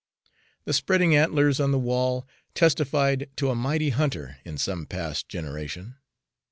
The spreading antlers on the wall testified to a mighty hunter in some past generation.